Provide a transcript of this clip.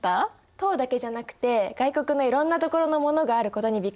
唐だけじゃなくて外国のいろんな所のものがあることにびっくりした。